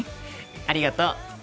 ありがとう。